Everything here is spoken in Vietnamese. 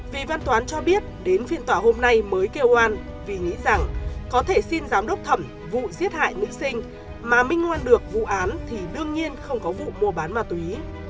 vì văn toán cho biết đến phiên tòa hôm nay mới kêu oan vì nghĩ rằng có thể xin giám đốc thẩm vụ giết hại nữ sinh mà minh oan được vụ án thì đương nhiên không có vụ mùa bán mà túy